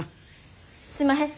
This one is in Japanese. すんまへん。